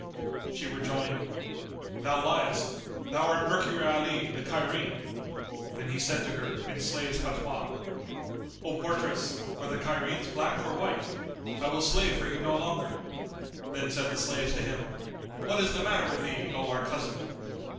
She rejoined, "Thou liest, thou art Mercury Ali the Cairene." And he said to her, in slaves' patois, "O portress, are the Cairenes black or white? I will slave for you no longer." Then said the slaves to him, "What is the matter with thee, O our cousin?"